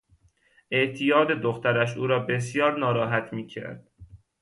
اعتیاد دخترش او را بسیار ناراحت میکرد.